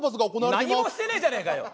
何もしてねえじゃねえかよ！